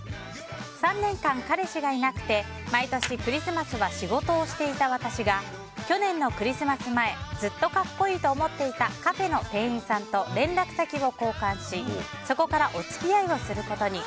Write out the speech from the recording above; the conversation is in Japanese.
３年間彼氏がいなくて毎年、クリスマスは仕事をしていた私が去年のクリスマス前ずっと格好いいと思っていたカフェの店員さんと連絡先を交換しそこからお付き合いをすることに。